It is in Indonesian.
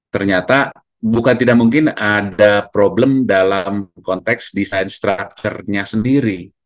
ternyata bukan tidak mungkin ada problem dalam konteks desain structure nya sendiri